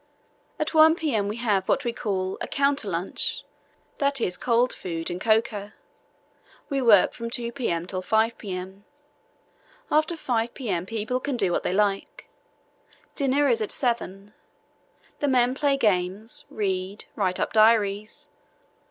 At 1 p.m. we have what we call 'a counter lunch,' that is, cold food and cocoa. We work from 2 p.m. till 5 p.m. After 5 p.m. people can do what they like. Dinner is at 7. The men play games, read, write up diaries.